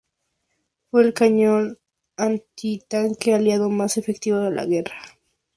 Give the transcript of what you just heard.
Fue el cañón antitanque Aliado más efectivo de la guerra.